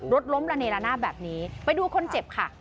รถล้มระเนละนาดแบบนี้ไปดูคนเจ็บค่ะ